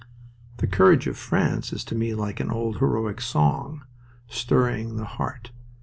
The courage of France is to me like an old heroic song, stirring the heart.